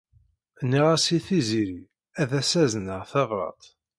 Nniɣ-as i Tiziri ad as-azneɣ tabṛat.